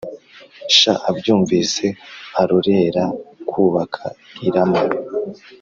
sha abyumvise arorera kubaka i Rama